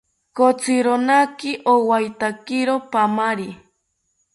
Kotzironaki owaetakiro paamari